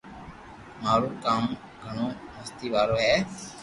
مارو ڪانو گھڻو مستي وارو ھي